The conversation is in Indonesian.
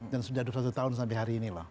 dan sudah dua puluh satu tahun sampai hari ini loh